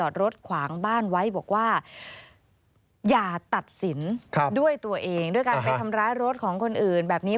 ด้วยตัวเองด้วยการไปทำลายรถของคนอื่นแบบนี้